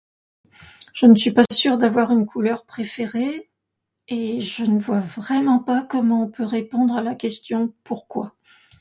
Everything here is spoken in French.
"Je ne suis pas sûre d'avoir une couleur préférée, et je ne vois vraiment pas comment on peut répondre à la question ""pourquoi ?"""